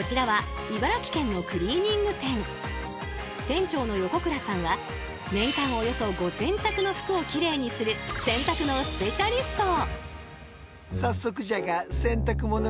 店長の横倉さんは年間およそ５，０００着の服をきれいにする洗濯のスペシャリスト。